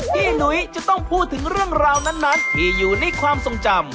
หนุ้ยจะต้องพูดถึงเรื่องราวนั้นที่อยู่ในความทรงจำ